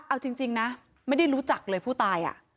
เอาจริงนะไม่ได้รู้จักเลยผู้ตาย